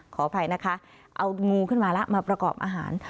ขออภัยนะคะเอางูขึ้นมาแล้วมาประกอบอาหาร